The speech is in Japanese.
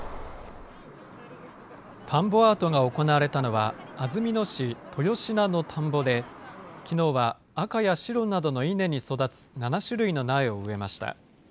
田んぼアートが行われたのは、安曇野市豊科の田んぼで、きのうは赤や白などの稲に育つ、７種類の苗を植えました。